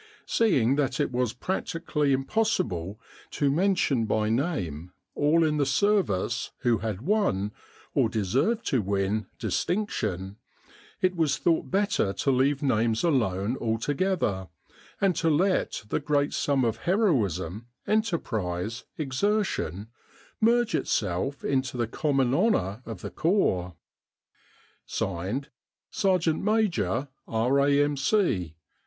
Seeing that it was practically impossible to mention by name all in the Service who had won, or deserved to win, distinction, it was thought better to leave names alone altogether, and to let the great sum of heroism, enterprise, exertion, merge itself into the common honour of the Corps. "S. M., R.A.M.C." Cairo, Egypt, 1917. Contents Part I.